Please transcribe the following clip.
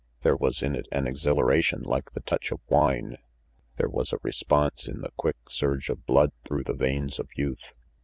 There was in it an exhilaration like the touch of wine; there was a response in the quick surge of blood through the veins of youth.